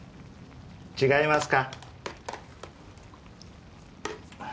違いますか？